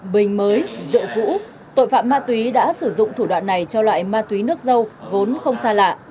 bình mới rượu cũ tội phạm ma túy đã sử dụng thủ đoạn này cho loại ma túy nước dâu vốn không xa lạ